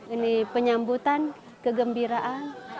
ini penyambutan kegembiraan